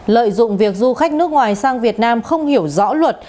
lợi dụng việc du khách nước ngoài sang việt nam không hiểu rõ luật